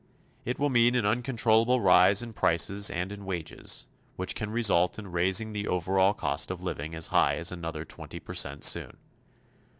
It will mean an uncontrollable rise in prices and in wages, which can result in raising the overall cost of living as high as another 20 percent soon.